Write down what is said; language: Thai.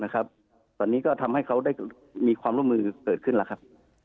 ครับเชิญครับ